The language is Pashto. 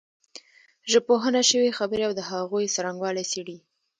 ژبپوهنه شوې خبرې او د هغوی څرنګوالی څېړي